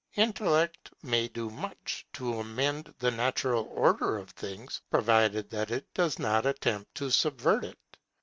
Intellect may do much to amend the natural order of things, provided that it does not attempt to subvert it.